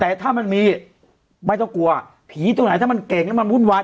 แต่ถ้ามันมีไม่ต้องกลัวผีตรงไหนถ้ามันเก่งแล้วมันวุ่นวาย